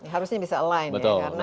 harusnya bisa align ya